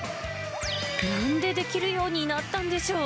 なんでできるようになったんでしょう。